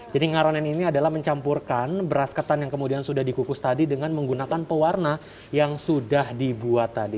jadi ngaronin ini adalah mencampurkan beras ketan yang kemudian sudah dikukus tadi dengan menggunakan pewarna yang sudah dibuat tadi